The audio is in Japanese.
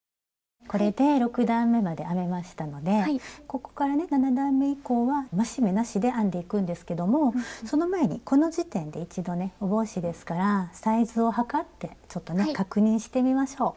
ここからね７段め以降は増し目なしで編んでいくんですけどもその前にこの時点で一度ねお帽子ですからサイズを測ってちょっとね確認してみましょう。